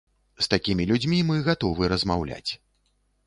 З такімі людзьмі мы гатовы размаўляць.